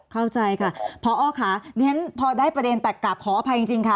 เข้าใจค่ะพอค่ะเรียนพอได้ประเด็นตัดกลับขออภัยจริงค่ะ